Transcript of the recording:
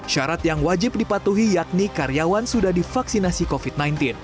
syarat yang wajib dipatuhi yakni karyawan sudah divaksinasi covid sembilan belas